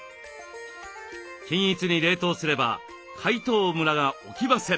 均一に冷凍すれば解凍ムラが起きません。